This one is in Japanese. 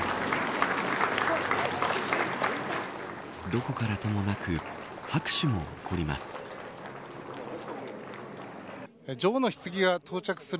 どこからともなく拍手も起こります。